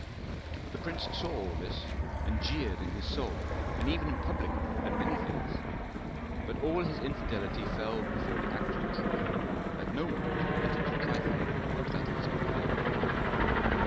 The prince saw all this, and jeered in his soul and even in public at many things. But all his infidelity fell before the actual truth, that no one was permitted to trifle with the titles of the pharaoh.